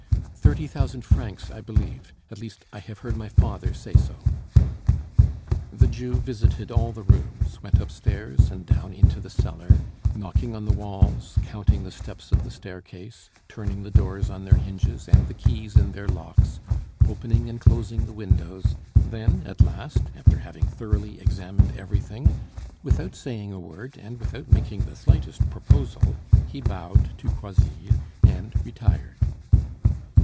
"Thirty thousand francs, I believe; at least I have heard my father say so." The Jew visited all the rooms, went upstairs and down into the cellar, knocking on the walls, counting the steps of the staircase, turning the doors on their hinges and the keys in their locks, opening and closing the windows; then, at last, after having thoroughly examined everything, without saying a word and without making the slightest proposal, he bowed to Croisilles and retired.